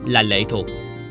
là lệ thuộc